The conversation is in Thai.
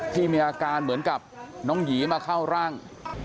ที่มีอาการเหมือนกับน้องหยีมาเข้าร่าง